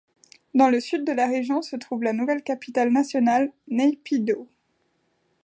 Dans le Sud de la Région se trouve la nouvelle capitale nationale, Naypyidaw.